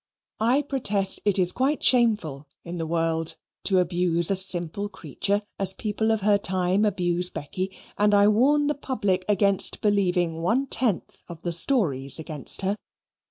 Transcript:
I protest it is quite shameful in the world to abuse a simple creature, as people of her time abuse Becky, and I warn the public against believing one tenth of the stories against her.